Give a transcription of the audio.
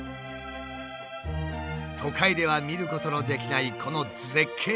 都会では見ることのできないこの絶景が自慢だという。